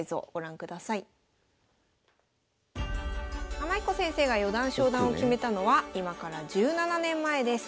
天彦先生が四段昇段を決めたのは今から１７年前です。